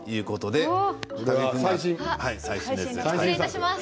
失礼いたします。